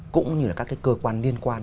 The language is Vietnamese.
cũng như là các cái cơ quan liên quan